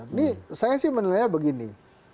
ini saya sih menilainya begini